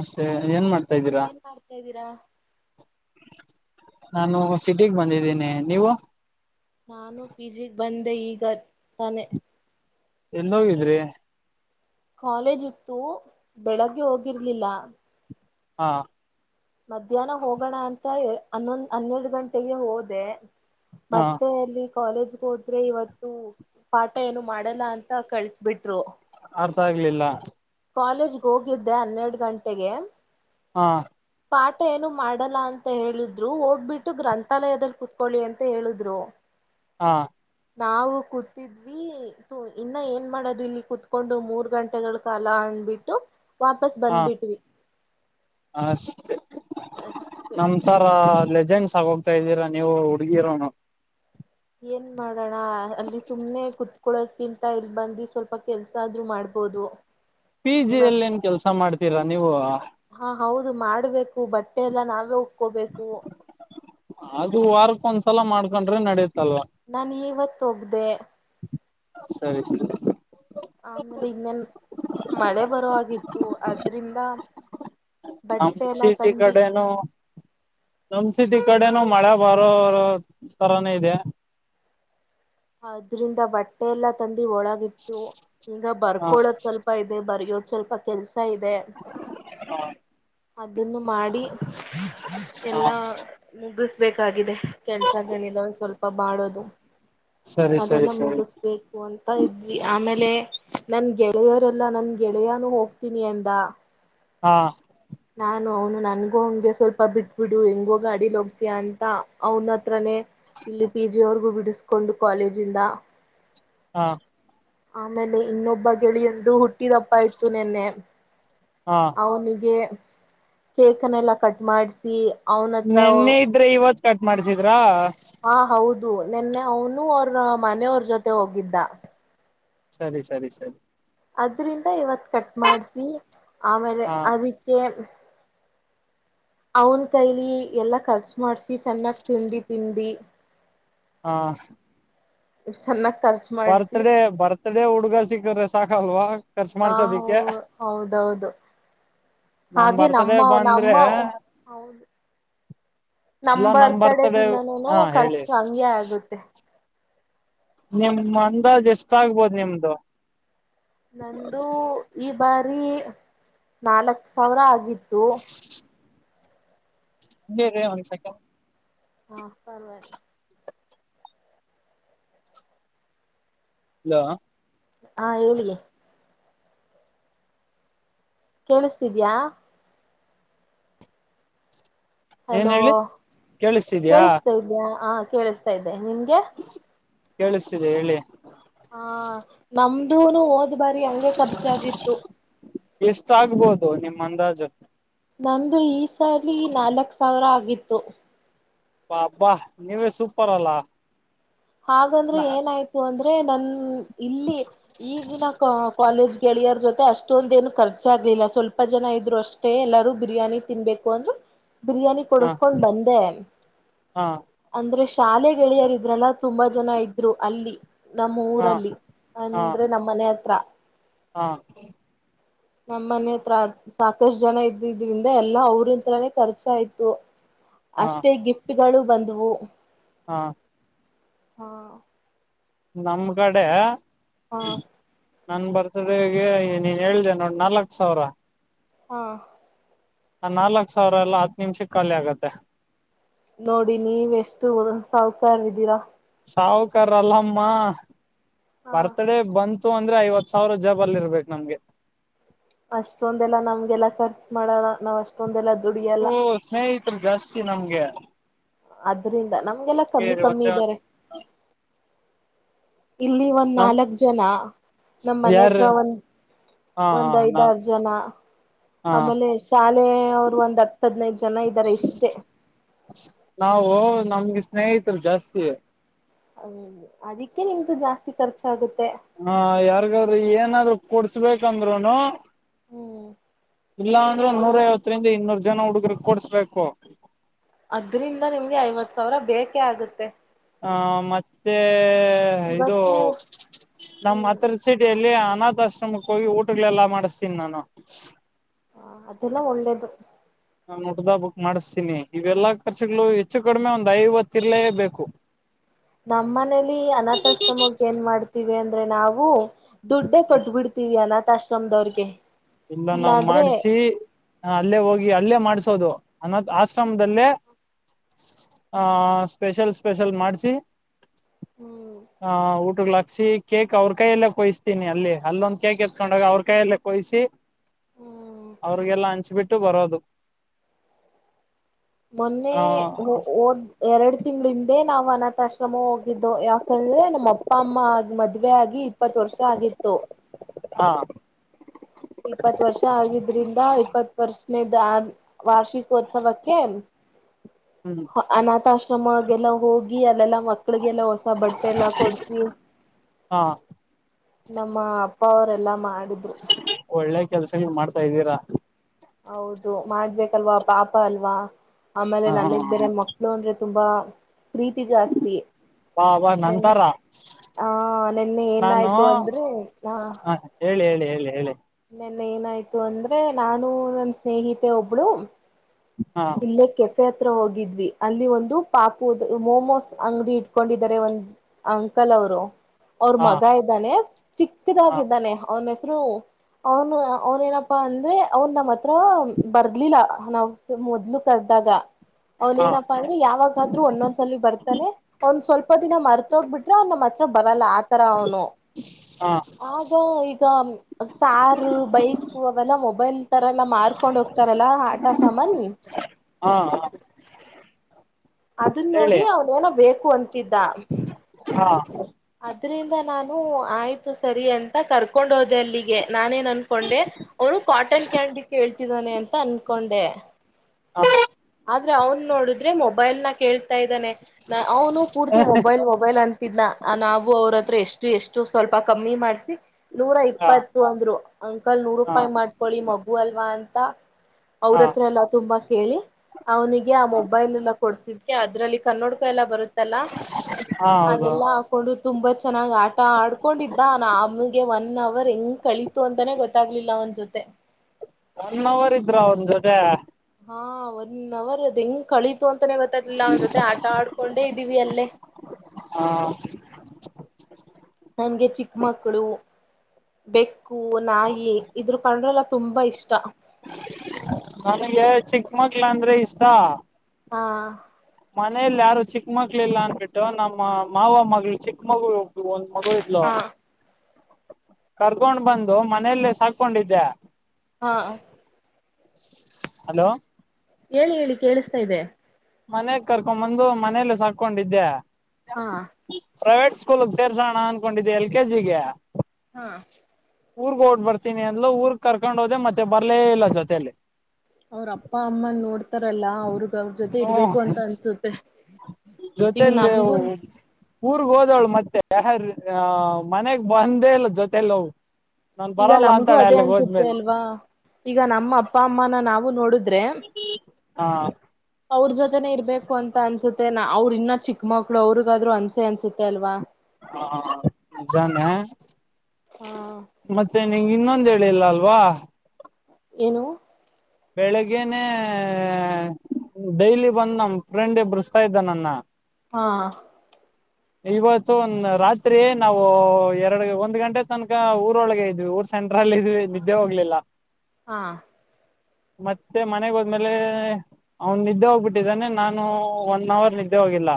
ಅಷ್ಟೆ ಏನ್ ಮಾಡ್ತ ಏನ್ ಮಾಡ್ತಾದೀರಾ! [inaudible] ನಾನು, ಸಿಟಿಗ್ಬಂದಿದ್ದೀನಿ, ನೀವು? [unintelligible] ನಾನು, ಪಿ, ಜಿ. ಬಂದೆ ಈಗ ತಾನೆ! [inaudible] ಎಲ್ಲಿ ಹೋಗಿದ್ರಿ. [inaudible] ಕಾಲೇಜ್, ಇತ್ತು ಬೆಳಗ್ಗೆ ಹೋಗಿರ್ಲಿಲ್ಲ! [unintelligible] ಹಾ. [inaudible] ಮಧ್ಯಾಹ್ನ, ಹೋಗೋಣ, ಅಂತ! ಹನ್ನೊಂದ ಹನ್ನೆರಡು, ಗಂಟೆಗೆ ಹೋದೆ. [inaudible] ಹಾ ಮತ್ತೆ, ಎಲ್ಲೀ, ಕಾಲೇಜ್ಗೆ, ಹೋದ್ರೆ, ಇವತ್ತು. [inaudible] ಪಾಠ, ಏನು ಮಾಡಲ್ಲ! ಅಂತ, ಕಲ್ಷಿಬಿಟ್ರು. [inaudible] ಅರ್ಥ, ಆಗ್ಲಿಲ್ಲ. [unintelligible] ಕಾಲೇಜ್ಗೆ, ಹೋಗಿದ್ದೆ, ಹನ್ನೆರಡು ಗಂಟೆಗೆ. [inaudible] ಹಾ. [inaudible] ಪಾಠ ಏನು ಮಾಡಲ್ಲ ಅಂತ ಹೇಳಿದ್ರು ಹೋಗ್ಬಿಟ್ಟು! ಗ್ರಂಥಾಲಯದಲ್ಲಿ, ಕುತ್ಕೊಳ್ಳಿ, ಅಂತ ಹೇಳಿದ್ರು? [inaudible] ಹಾ. [inaudible] ನಾವು, ಕೂತಿದ್ವಿ. ತು, ಇನ್ನ ಏನ್ ಮಾಡೋದು ಇಲ್ಲಿ, ಕುತ್ಕೊಂಡು, ಮೂರ್ ಗಂಟೆಗಳ, ಕಾಲ. [inaudible] ಅಂದುಬಿಟ್ಟು, ವಾಪಸ್ ಹಾ ಬಂದ್ಬಿಟ್ವಿ. [inaudible] ಅಷ್ಟೆ ಅಷ್ಟೆ ನಮ್ ತರ ಲೆಜೆಂಡ್ಸ್, ಆಗೋಗ್ತಾ, ಇದ್ದೀರಾ! ನೀವು, ಹುಡ್ಗಿರು. [unintelligible] ಏನ್ ಮಾಡೋಣ, ಅಲ್ಲಿ ಸುಮ್ನೆ ಕುತ್ಕೊಳ್ಳೋದ್ಕಿಂತ, ಇಲ್ಲಿಬಂಧಿ, ಸ್ವಲ್ಪ ಕೆಲ್ಸ ಆದ್ರು, ಮಾಡು. [unintelligible] ಓದು. [inaudible] P, G. ಅಲ್ಲಿ, ಏನ್ ಕೆಲ್ಸ ಮಾಡ್ತೀರಾ, ನೀವು? [unintelligible] ಅದು, ಮಾಡ್ಬೇಕು, ಬಟ್ಟೆ, ಎಲ್ಲ ನಾವೇ ಉಕೋಬೇಕು. [inaudible] ಅದರು, ವಾರಕ್, ಒಂದ್ಸಲ! ಮಾಡ್ಕೊಂಡ್ರೆ ನಡತ್. [inaudible] ನಾನು, ಇವತ್ತು, ಹೋಗೋದೇ. [unintelligible] ಸರಿ, ಸರಿ, ಸರು. [unintelligible] ಆಮೇಲೆ, ಇನ್ನೇನ್, ಮಳೆ, ಬರೊ, ಹಾಗಿತ್ತು ಅದ್ರಿಂದ. [unintelligible] ನಮ್, ಬಟ್ಟೆ ಎಲ್ಲ ಸಿಟಿ, ತಂದಿ ಕಡೆನು. [unintelligible] ನಮ್, ಸಿಟಿ, ಕಡೆನೂ ಮಳೆ ಬರೋ! ತರಾನೆ ಇದೆ. [unintelligible] ಅದ್ರಿಂದ, ಬಟ್ಟೆ, ಎಲ್ಲಾ, ತಂದು. [inaudible] ಒಳಗೆ, ಇಟ್ಟು, ಈಗ ಹ ಬರ್ಕೊಳೋದು! ಸ್ವಲ್ಪ, ಇದೆ. ಬರಿಯೋದ್, ಸ್ವಲ್ಪ, ಕೆಲ್ಸ. [inaudible] ಹಾಗುತಾ, ಇದೆ. [inaudible] ಅದನ್ನು, ಮಾಡಿ. ಹ ಎಲ್ಲಾ ಮುಗಿಸು.. [unintelligible] ಬೇಕಾಗಿದೆ, ಕೆಲ್ಸ, ಗಣಿದ, ಒಂದು, ಸ್ವಲ್ಪ ಬಾಳೋದು. [unintelligible] ಸರಿ ಸರಿ ಅದೆಲ್ಲ, ಸರಿ ಮುಗಿಸ್ಬೇಕು, ಅಂತ, ಇದ್ವಿ, ಆಮೇಲೆ. [inaudible] ನನ್, ಗೆಳೆಯರೆಲ್ಲಾ, ನನ್ ಗೆಳೆಯಾನು ಹೋಗ್ತೀನಿ, ಅಂದಾ. [unintelligible] ಹಾ.. [inaudible] ನಾನು, ಅವನು ನನ್ಗೂ, ಹಂಗೆ ಸ್ವಲ್ಪ ಬಿಟ್ಬಿಡು ಹೆಂಗೋ, ಗಡಿಲಿಯೋಗುತಿಯಾಂತ, ಅವನ ಹತ್ರನೇ. [unintelligible] ಇಲ್ಲಿ, ಪಿಜಿವರೆಗೂ, ಬಿಡಿಸ್ಕೊಂಡು, ಕಾಲೇಜಿಂದ. [inaudible] ಹಾ. [inaudible] ಆಮೇಲೆ, ಇನ್ನೊಬ್ಬ, ಗೆಳೆಯಂದು ಹುಟ್ಟಿದಬ್ಬ ಇತ್ತು, ನೆನ್ನೆ. [unintelligible] ಹಾ ಅವನಿಗೆ, ಕೇಕ್ನೆಲ್ಲ, ಕಟ್, ಮಾಡಸಿ. [inaudible] ನೆನ್ನೆ, ಇದ್ರೆ, ಇವತ್ತು, ಕಟ್ ಮಾಡ್ಸಿದ್ರಾ? [unintelligible] ಹಾ ಹೌದು ನಿನ್ನೆ, ಅವನು, ಅವ್ರ ಮನೆಯವ್ರ ಜೊತೆ, ಹೋಗಿದ್ದ! [unintelligible] ಸರಿ, ಸರಿ, ಸರಿ. [inaudible] ಅದರಿಂದ, ಇವತ್ತು, ಕಟ್, ಮಾಡಿಸಿ. ಆಮೇಲೆ ಹಾ ಅದಕ್ಕೆ? [inaudible] ಅವನ್, ಕೈಲಿ, ಎಲ್ಲಾ ಖರ್ಚು, ಮಾಡ್ಸಿ ಚೆನ್ನಾಗ್ ತಿಂಡಿ, ತಿಂಡಿ. [inaudible] ಹಾ. [inaudible] ಎಸ್ಟು, ಚೆನ್ನಾ. [inaudible] ಬರ್ತ್ಡೇ ಬರ್ತ್ಡೇ ಹುಡ್ಗರ್ ಸಿಕ್ಕಾದ್ರೆ ಸಾಕಲ್ವಾ ಖರ್ಚು ಹಾ ಮಾಡ್ಸೋದಿಕ್ಕೆ ಹೌದೌದು ನಮ್ ಹಾಗೆ ಬರ್ತ್ಡೇ ನಮ್ಮ ಬಂದ್ರೆ ನಮ್ಮ ಹೌದು ನಮ್ ಅಲ್ಲಾ ಬರ್ತಡ ಬರ್ತ್ಡೇ ದಿನನೂನು ಹಾ ಹೇಳಿ ಖರ್ಚು ಹಂಗೆ ಆಗುತ್ತೆ ನಿಮ್ ಅಂದಾಜು ಎಷ್ಟ ಆಗ್ಬೋದು ನಿಮ್ದು ನಂದು ಈ ಬಾರಿ ನಾಲ್ಕ್ ಸಾವಿರ ಆಗಿತ್ತು ಇರ್ರಿ ಒಂದ್ ಸೆಕೆಂಡ್ ಹಾ ಪರವಾಗಿನೆ ಹಲೋ ಹಾ ಹೇಳಿ ಕೇಳಿಸ್ತಿದ್ಯಾ ಏನ್ ಹಲೋ ಹೇಳಿ ಕೇಳಿಸ್ತಿದ್ಯಾ ಕೇಳಿಸ್ತಾ ಇದಯ ಹಾ ಕೇಳಿಸ್ತಾ ಇದ್ದೆ ನಿಮ್ಗೆ ಕೇಳಿಸ್ತಿದೆ ಹೇಳಿ ಹಾ ನಮ್ದೂನು ಹೋದ್ ಬಾರಿ ಹಂಗೆ ಖರ್ಚಾಗಿತ್ತು ಎಷ್ಟ ಆಗ್ಬೋದು ನಿಮ್ಮ ಅಂದಾಜ ನಂದು ಈ ಸಾರಿ ನಾಲ್ಕ ಸಾವಿರ ಆಗಿತ್ತು ಅಬಾಬ್ಬಾ ನೀವೇ ಸೂಪರ್ ಅಲ್ಲ ಹಾಗಂದ್ರೆ ಹ ಏನಾಯ್ತು ಅಂದ್ರೆ ನ ಇಲ್ಲಿ ಈಗಿನ ಕಾಲೇಜ್ ಗೆಳೆಯರ್ ಜೊತೆ ಅಷ್ಟೊಂದ ಏನು ಖರ್ಚಾಗ ಇಲ್ಲ ಸ್ವಲ್ಪ ಜನ ಇದ್ರು ಅಷ್ಟೇ ಎಲ್ಲಾರೂ ಬಿರಿಯಾನಿ ತಿನ್ಬೇಕು ಅಂದ್ರೆ ಬಿರಿಯಾನಿ ಹಾ ಕೊಡಸ್ಕೊಂಡ್ ಬಂದೆ ಹಾ ಅಂದ್ರೆ ಶಾಲೆ ಗೆಳಿಯರ ಇದ್ರಲ್ಲ ತುಂಬಾ ಜನ ಇದ್ರು ಅಲ್ಲಿ ನಮ್ಮ ಹಾ ಊರಲ್ಲಿ ಅಂದ್ರೆ ನಮ್ಮ ಮನೆ ಹತ್ರ ಹಾ ನಮ್ಮ ಮನೆ ಹತ್ರ ಸಾಕಷ್ಟು ಜನ ಇದ್ದ ಇದ್ರಿಂದ ಎಲ್ಲಾ ಅವ್ರತ್ರಾನೇ ಖರ್ಚ ಆಯ್ತು ಹಾ ಅಷ್ಟೇ ಗಿಫ್ಟ್ ಗಳು ಬಂದವು ಹಾ ಹಾ ನಮ್ ಕಡೆ ಹಾ ನನ್ ಬರ್ತಡಗೆ ನೀನ್ ಹೇಳಿದೆ ನೋಡ್ ನಾಲ್ಕ್ ಸಾವಿರ ಹಾ ನಾಲ್ಕ್ ಸಾವಿರ ಎಲ್ಲ ಹತ್ತು ನಿಮಿಷಕ್ಕೆ ಖಾಲಿ ಆಗತ್ತೆ ನೋಡಿ ನೀವೆ ಎಷ್ಟು ಸಾಹಕಾರಿದೀರಾ ಸಾವ್ಕರಲ್ಲಮ್ಮ ಹ ಬರ್ತ್ಡೇ ಬಂತ ಬಂತ್ ಅಂದ್ರೆ ಐವತ್ ಸಾವಿರ ಜಬ ಅಲ್ಲಿ ಇರ್ಬೇಕು ನಮ್ಗೆ ಅಷ್ಟೊಂದೆಲ್ಲ ನಮ್ಗೆಲ್ಲ ಖರ್ಚು ಮಾಡಲ್ಲ ನಾವ್ ಅಷ್ಟೊಂದೆಲ್ಲ ದುಡಿಯಲ್ಲ ಓ ಸ್ನೇಹಿತರು ಜಾಸ್ತಿ ನಮ್ಗೆ ಅದ್ರಿಂದ ನಮ್ಗೆಲ್ಲ ಕಮ್ಮಿ ಕಮ್ಮಿ ಒಂದೇ ಇದಾರೆ ಇಲ್ಲಿ ಒಂದ್ ನಮ್ ನಾಲ್ಕ್ ಜನ ನಮ್ಮ್ ಮನೆ ಯಾರ ಹತ್ರ ಒಂದ್ ಹಾ ಒಂದ್ ನಾ ಐದಾರ ಜನ ಹ ಆಮೇಲೆ ಶಾಲೆ ಅವರು ಒಂದ್ ಹತ್ ಹದ್ನೈದು ಜನ ಇದ್ದಾರೆ ಇಷ್ಟೇ ನಾವು ನಮ್ಗೆ ಸ್ನೇಹಿತರು ಜಾಸ್ತಿ ಹ ಅದಿಕ್ಕೆ ನಿಮಂತ ಜಾಸ್ತಿ ಖರ್ಚ ಆಗುತ್ತೆ ಹಾ ಯಾರ್ಗಾದ್ರರು ಏನಾದ್ರು ಕೊಡ್ಸ್ಬೇಕಂದ್ರುನು ಹ್ಮ್ ಇಲ್ಲ ಅಂದ್ರೆ ನೂರ ಐವತ್ತರಿಂದ ಇನ್ನೂರ್ ಜನ ಹುಡುಗ್ರ ಕೊಡ್ಸ್ಬೇಕು ಅದ್ರಿಂದ ನಿಮ್ಗೆ ಐವತ್ ಸಾವಿರ ಬೇಕೆ ಆಗುತ್ತೆ ಹ ಮತ್ತೆ ಇದು ಇವತ್ತು ನಮ್ಮ್ ಹ್ಮ್ ಹತ್ರ ಸಿಟಿಯಲ್ಲಿ ಅನಾಥಾ ಆಶ್ರಮಕ್ಕೆ ಹೋಗಿ ಊಟಗಳೆಲ್ಲಾ ಮಾಡಿಸತೀನಿ ನಾನು ಹ ಅದೆಲ್ಲ ಒಳ್ಳೇದು ನಾ ಹುಟ್ಟದ್ಹಬ್ಬಕ್ಕ್ ಮಾಡಿಸ್ತೀನಿ ಇವೆಲ್ಲಾ ಖರ್ಚ್ಗಳು ಹೆಚ್ಚು ಕಡಿಮೆ ಒಂದ್ ಐವತ್ತು ಇರ್ಲೇ ಬೇಕು ನಮ್ಮ ಮನೇಲಿ ಅನಾಥಸ್ತಮಗ್ ಏನ್ ಮಾಡ್ತೀವಿ ಅಂದ್ರೆ ನಾವು ದುಡ್ಡೇ ಹ ಕೊಟ್ಬಿಡ್ತೀವಿ ಅನಾಥ್ ಆಶ್ರಮದವ್ರಿಗೆ ಇಲ್ಲ ನಾವ್ ಮಾಡ್ಸಿ ಅಲ್ಲೇ ಹೋಗಿ ಅಲ್ಲೇ ಮಾಡ್ಸೋದು ಅ ಆಶ್ರಮದಲ್ಲೇ ಆಹ ಸ್ಪೆಷಲ್ ಸ್ಪೆಷಲ್ ಮಾಡ್ಸಿ ಹ್ಮ್ ಹಾ ಊಟಕ್ಕೆಲಾ ಸಿ ಕೇಕ್ ಅವ್ರ ಕೈಯಲ್ಲೇ ಕೊಯಿಸ್ತೀನಿ ಅಲ್ಲಿ ಅಲ್ಲೊಂದ್ ಕೇಕ್ ಎತ್ಕೊಂಡಾಗ ಅವ್ರ ಕೈಯಲ್ಲ ಕೊಯ್ಸಿ ಹ್ಮ್ ಅವ್ರಿಗೆಲ್ಲ ಹಂಚ್ಬಿಟ್ಟು ಬರೋದು ಮೊನ್ನೆ ಹ ಹಓದ್ ಎರಡ್ ತಿಂಗಳಿಂದೆ ನಾವ್ ಅನ ಆಶ್ರಮ ಹೋಗಿದ್ದು ಯಾಕಂದ್ರೆ ನಮ್ಮ ಅಪ್ಪ ಅಮ್ಮ ಆಗಿ ಮದ್ವೆ ಆಗಿ ಇಪ್ಪತ್ತು ವರ್ಷ ಆಗಿತ್ತು ಹಾ ಇಪ್ಪತ್ ವರ್ಷ ಆಗಿದ್ರಿಂದ ಇಪ್ಪತ್ ವರ್ಷ ವಾರ್ಷಿಕೋತ್ಸವಕ್ಕೆ ಹ್ಮ್ ಅನಾಥಾಶ್ರಮಗೆಲ್ಲ ಹೋಗಿ ಅಲ್ಲೆಲ್ಲಾ ಮಕ್ಳಿಗೆಲ್ಲ ಹೊಸ ಬಟ್ಟೆಲ್ಲ ಕೊಡ್ಸಿ ಹಾ ನಮ್ಮ ಅಪ್ಪ ಅವರೆಲ್ಲಾ ಮಾಡಿದ್ರು ಒಳ್ಳೆ ಕೆಲ್ಸಗಳು ಮಾಡ್ತಾ ಇದ್ದೀರಾ ಹೌದು ಮಾಡ್ಬೇಕಲ್ವಾ ಪಾಪ ಅಲ್ವಾ ಆಮೇಲೆ ಹ ನನಗ್ ಬೇರೆ ಮಕ್ಳು ಅಂದ್ರೆ ತುಂಬಾ ಪ್ರೀತಿ ಜಾಸ್ತಿ ಬಾ ಬಾ ನಂತರ ಹಾ ನಿನ್ನೆ ನಾನು ಏನಾಯ್ತು ಅಂದ್ರೆ ನಾ ಹ ಹೇಳಿ ಹೇಳಿ ಹೇಳಿ ನೆನ್ನ ಏನಾಯ್ತು ಅಂದ್ರೆ ನಾನು ನನ್ನ ಸ್ನೇಹಿತೆ ಒಬ್ಳು ಹಾ ಇಲ್ಲೇ ಕೆಫೆ ಹತ್ರ ಹೋಗಿ ಅಲ್ಲಿ ಒಂದು ಪಾಪು ಮೊಮೋಸ್ ಅಂಗಡಿ ಇಟ್ಕೊಂಡಿದ್ದಾರೆ ಒಂದ ಅಂಕಲ್ ಅವರು ಅವ್ರ ಹಾ ಮಗ ಇದ್ದಾನೆ ಹಾ ಚಿಕ್ಕದಾಗಿದ್ದಾನೆ ಅವನ ಅವನು ಅವನ ಏನಪ್ಪಾ ಅಂದ್ರೆ ಅವನ್ ನಮ್ಮ್ ಹತ್ರ ಬರ್ಲಿಲ್ಲ ನಾವ್ ಮೊದಲು ಕದ ಗ ಅವನ್ ಹಾ ಏನಪ್ಪಾ ಅಂದ್ರೆ ಯಾವಾಗಾದ್ರೂ ಒಂದೊಂದ್ಸಲ ಬರ್ತಾನೆ ಅವನ್ ಸ್ವಲ್ಪ ಇಪ್ಪ ದಿನ ಮರ್ತ ಹೋಗ್ಬಿಟ್ರೆ ಅವ ನಮ್ಮ ಹತ್ರ ಬರಲ್ಲ ಆತರ ಅವನು ಆಗ ಈಗ ಕಾರಾ ಬೈಕ್ ಅವೆಲ್ಲಾ ಮೊಬೈಲ್ ತರ ಎಲ್ಲಾ ಮಾರ್ಕೊಂಡ್ ಹೋಗ್ತಾರಲ್ಲಾ ಆಟ ಮನೆಿ ಹಾ ಹಾ ಅದನ್ ನೋಡಿ ಹೇಳಿ ಅವನೇನೋ ಬೇಕು ಅಂತಿದ್ದ ಹಾ ಅದ್ರಿಂದ ನಾನು ಆಯ್ತು ಸರಿ ಅಂತ ಕರ್ಕೊಂಡ್ ಹೋದೆ ಅಲ್ಲಿಗೆ ನಾನೇನ್ ಅನ್ಕೊಂಡೆ ಅವರು ಕಾಟನ್ ಕ್ಯಾಂಡಿ ಕೇಳ್ತಿದ್ದಾನೆ ಅಂತ ಅನ್ಕೊಂಡೆ ಹೌ ಆದ್ರೆ ಅವನ್ ನೋಡಿದ್ರೆ ಮೊಬೈಲ್ ನ ಕೇಳ್ ಇದ್ದಾನೆ ಅವನು ಕೂರ್ತಿ ಮೊಬೈಲ್- ಮೊಬೈಲ್ ಅಂತಿದ್ನ. ನಾವು ಅವ್ರ ಹತ್ರ ಎಷ್ಟು -ಎಷ್ಟು ಸ್ವಲ್ಪ ಕಮ್ಮಿ ಮಾಡ್ಸಿ, ನೂರ ಹಾ ಇಪ್ಪತ್ತು ಅಂದ್ರು ಅಂಕಲ್ ನೂರ ಹಾ ರೂಪಾಯಿ ಮಾಡ್ಕೊಳ್ಳಿ ಮಗು ಅಲ್ವಾ ಅಂತ, ಹಾ ಅವ್ರತ್ರ ಎಲ್ಲಾ ತುಂಬಾ ಕೇಳಿ, ಅವನಿಗೆ ಆ ಮೊಬೈಲ್ ಎಲ್ಲ ಕೊಡ್ಸಿದ್ಕ ಅದ್ರಲ್ಲಿ ಕನ್ನೋಡ್ಕ ಎಲ್ಲ ಬರುತ್ತಲ್ಲ ಹಾ ಹೌದು ಅದೆಲ್ಲಾ ಹಾಕೊಂಡು ತುಂಬಾ ಚೆನ್ನಾಗ್ ಆಟ ಆಡ್ಕೊಂಡಿದ್ದ ನ ಆಮಗೆ ಒಂದ ಅವರ್ ಹೆಂಗ್ ಕಳಿತು ಅಂತಾನೇ ಗೊತ್ತಾಗ್ಲಿಲ್ಲ ಅವನ್ ಜೊತೆ ನನ್ ಅವರ್ ಇದ್ರ ಒನ್ ಜೊತೆ ಹಾ ಒನ್ ಅವರ್ ಅದ್ ಹೆಂಗ್ ಕಳಿತ ಇತ್ತು ಅಂತಾನೇ ಗೊತ್ತಾಗ್ಲಿಲ್ಲ ಅವನ ಜೊತೆ ಆಟ ಆಡ್ಕೊಂಡೇ ಇದ್ದೀವಿ ಅಲ್ಲೇ ಹ ನಂಗೆ ಚಿಕ್ಕ ಮಕ್ಕಳು ಬೆಕ್ಕು ನಾಯಿ ಇದ್ರ ಕಂಡ್ರಲ್ಲ ತುಂಬ ಇಷ್ಟ ನನಗೆ ಚಿಕ್ಕಮಗ್ಳ ಅಂದ್ರೆ ಇಷ್ಟ ಹಾ,,, ಮನೆಯಲ್ಲಿ ಯಾರು ಚಿಕ್ಕ ಮಕ್ಕಳಿಲ್ಲ ಅನ್ಬಿಟ್ಟು. ನಮ್ಮ ಮಾವ ಮಗಳು ಚಿಕ್ಕ ಮಗು ಒಂದು ಮೋಟೋ ಇಲ ಹಾ [unintelligible] ಕರ್ಕೊಂಡ್ ಬಂದು ಮನೆಯಲ್ಲೇ ಸಾಕೊಂಡಿದ್ದೆ. ಹಾ,, ಹಲೋ, ಹೇಳಿ- ಹೇಳಿ ಕೇಳಿಸ್ತಾಇದೆ. ಮನೆಯಲ್ಲಿ ಕರ್ಕೊಂಡ ಬಂದು ಮನೇಲಿ ಸಾಕೊಂಡಿದ್ದೆ. ಹಾ, ಪ್ರೈವೇಟ್ ಸ್ಕೂಲ್ಗೆ ಸೇರ್ಸೋಣ ಅನ್ಕೊಂಡಿದ್ದೆ ಎಲ್, ಕೆಜಿಗೆ. ಹಾ, ಊರ್ಗ್ ಹೋಗಬಿಟ್ ಬರ್ತೀನಿ ಅಂದ್ಲು ಊರ್ಗ್ ಕರ್ಕೊಂಡ್ ಹೋದೆ. ಮತ್ತೆ ಬರ್ಲೇ ಇಲ್ಲ ಜೊತೆಯಲ್ಲಿ. ಅವ್ರ ಅಪ್ಪ -ಅಮ್ಮ ನೋಡ್ತಾರಲ್ಲ ಅವರು ಹ್, ಓ ಈಗ ಜೊತೆಯಲ್ಲಿ ನಮ್ಗು ಊರ್ಗ್ ಹೋದ ೋ [unintelligible] [unintelligible] ಳು ಮತ್ತೆ ಮನೆಗ್ ಬಂದೇ ಇಲ್ಲ ಜೊತೆಲ್ಲ ನಾನ್ ಈಗ ಬರಲ್ಲ ನಮ್ಗೂ ಅಂತಾಳೆ ಅದೇ ಅಲ್ಲಿಗ್ ಅನ್ಸುತ್ತೆ ಹೋದ್ಮೇಲೆ ಅಲ್ವಾ, ಈಗ ನಮ್ಮ ಅಪ್ಪ, ಅಮ್ಮನ ನಾವು ನೋಡುದ ಹ ಅವ್ರು ಜೊತೆನೆ ಇರ್ಬೇಕು ಅಂತ ಅನ್ಸುತ್ತೆ. ಅವರು ಇನ್ನ ಚಿಕ್ಕ ಮಕ್ಳು ಅವ್ರಿಗಾದ್ರು ಅನ್ಸೆ ಅನ್ಸುತ್ತೆ ಅಲ್ವಾ, ಹಾ, ನಿಜಾನೆ ಮತ್ತೆ ನಿನಗ ಇನ್ನೊಂದ ಹೇಳಿಲ್ಲ ಅಲ್ವಾ, ಏನು? ಬೆಳಿಗ್ನೆೇ ಡೈಲಿ ಬಂದ್ ನಮ ಫ್ರೆಂಡುಎಬಿಸ್ತಾ ಇದ್ದ ನನ್ನ. ಹಾ, ಇವತ್ತು ರಾತ್ರಿ ನಾವು ಎರಡ್, ಒಂದ್ ಗಂಟೆ ತನಕ ಊರೊಳಗೆ ಇದ್ವಿ. ಊರ್ ಸ ಲ್ಲ ಇದ್ವಿ ನಿದ್ದೆ ಹೋಗ್ಲಿಲ್ಲ. ಹಾ ಮತ್ತೆ ಮನೆಗೆ ಹೋದ್ಮೇಲೆ ಅವನ್ ನಿದ್ದೆ ಹೋಗ್ಬಿಟ್ಟಿದ್ದಾನೆ. ನಾನು ಒನ್ ಅವರ್ ನಿದ್ದೆ ಹೋಗಿಲ್ಲ.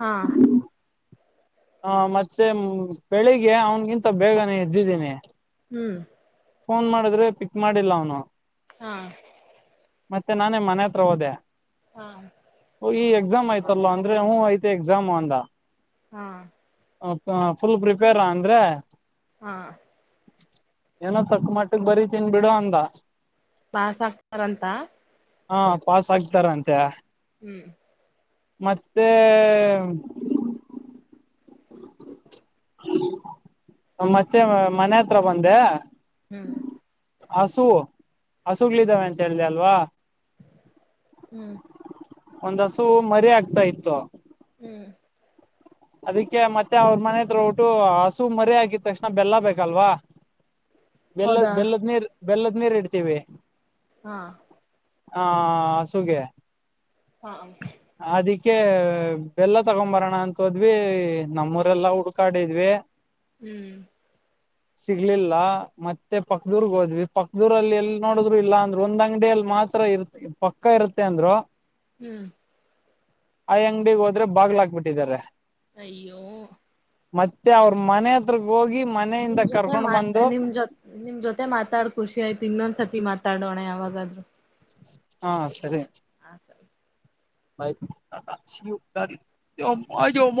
ಹಾ ಹಾ, ಮತ್ತೆ ಬೆಳಿಗ್ಗೆ ಅವನ್ಗಿಂತ ಬೇಗನೆ ಎದ್ದಿದ್ದೀನಿ. ಹ್ಮ್, ಫೋನ್ ಮಾಡಿದ್ರೆ ಪಿಕ್ ಮಾಡಿಲ್ಲ ಅವನು. ಹಾ, ಮತ್ತೆ ನಾನೇ ಮನೆ ಅತ್ರ ಹೋದೆ. ಹಾ,, ಈ ಎಕ್ಸಾಮ್ ಆಯ್ತಲ್ವಾ ಅಂದ್ರೆ ಹ್ಮ್ ಐತ ಎಕ್ಸಾಮ್ ಅಂದ. ಹಾ, ಫುಲ್ ಪ್ರಿಪೇರಾ ಅಂದ್ರೆ, ಹಾ,,, ಏನೋ ತಕ್ಕ ಮಟ್ಟಗೆಬರಿತಿನಿ ಬಿಡೋ ಅಂದ. ಪಾಸ್ ಆಕ್ತಾರಂತ ಹಾ ಪಾಸ್ ಆಗ್ತಾರ ಅಂತೆ ಹ್ಮ್, ಮತ್ತೆ,, ಮತ್ತೆ ಮನೆ ಅತ್ರ ಬಂದೆ, ಹ್ಮ್ ಹಸು ಹಸುಗಳಿದ್ದಾವೆಅಂತ ಹೇಳ್ದ ಅಲ್ವಾ. ಹ್ಮ್ ಒಂದಹಸು ಮರಿ ಆಕ್ತಾ ಇತ್ತು. ಹ್ಮ್, ಅದಕ್ಕೆ ಮತ್ತೆ ಅವ್ರ ಮನೆಅತ್ರ ಒರಟು ಹಸು ಮರಿ ಆಗಿದ ತಕ್ಷಣ ಬೆಲ್ಲ ಬೇಕಲ್ವಾ, ಬೆಲ್ಲದ- ಹೌದಾ ಬೆಲ್ಲದ್ ನೀರ್, ಬೆಲ್ಲದ್ ನೀರ್ ಇಡ್ತೀವಿ. ಹಾ ಹಾ ಹಸುಗೆ ಹಾ ಹ ಅದಿಕ್ಕೆ ಬೆಲ್ಲ ತಗೊಂಬರೋಣ ಅಂತ ಹೋದ್ವಿ ನಮ್ಮೂರೆಲ್ಲಾ ಹುಡ್ಕಾಡಿದ್ವಿ ಹ್ಮ್ ಸಿಗ್ಲಿಲ್ಲ ಮತ್ತೆ ಪಕ್ದೂರ್ಗ್ ಹೋದ್ವಿ ಪಕ್ದೂರಲ್ಲಿ ಎಲ್ಲಿ ನೋಡಿದ್ರು ಇಲ್ಲ ಅಂದ್ರರು ಒಂದ್ ಅಂಗಡಡಿ ಮಾತ್ರ ಇರು ಪಕ್ಕ ಇರುತ್ತೆ ಅಂದ್ರು ಹ್ಮ್ ಆಯ್ ಅಂಗಡಗ್ ಹೋದ್ರೆ ಬಾಗಲಾಕ್ ಬಿಟ್ಟಿದಿದ್ದಾರೆ ಅಯ್ಯೋ ಮತ್ತೆ ಅವ್ರ ಮನೆ ಹತ್ರಗ್ ಹೋಗಿ ಮನೆಯಿಂದ ನಿಮ್ ಜೊತೆ ಕರ್ಕೊಂಡ್ ಮಾ ಬಂದು ನಿಮ್ ಜೊ ನಿಮ್ ಜೊತೆ ಮಾತಾಡ್ ಖುಷಿ ಆಯ್ತು ಇನ್ನೊಂದ್ಸತಿ ಮಾತಾ ಮಾತಾಡೋಣ ಯಾವಾಗಾದ್ ಹಾ ಸರಿ ಸ ಆ ಮ